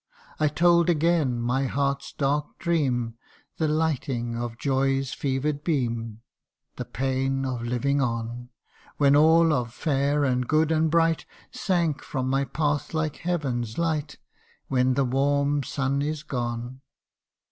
I told again my heart's dark dream, The lighting of joy's fever'd beam, The pain of living on ; When all of fair, and good, and bright, Sank from my path like heaven's light When the warm sun is gone.